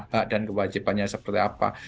hak dan kewajibannya seperti apa